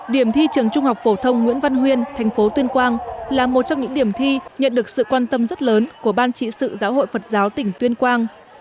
điểm thi trường trung học phổ thông nguyễn văn huyên thành phố tuyên quang là một trong những điểm thi nhận được sự quan tâm rất lớn của ban trị sự giáo hội phật giáo tỉnh tuyên quang